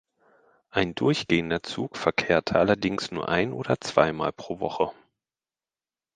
Ein durchgehender Zug verkehrte allerdings nur ein oder zwei Mal pro Woche.